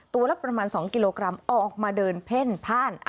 ตัวละประมาณ๒กิโลกรัมออกมาเดินเพ่นผ้าน